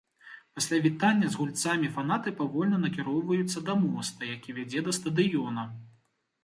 Пасля вітання з гульцамі фанаты павольна накіроўваюцца да моста, які вядзе да стадыёна.